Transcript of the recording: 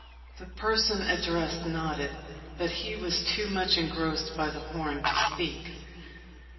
The person addressed nodded, but he was too much engrossed by the horn to speak.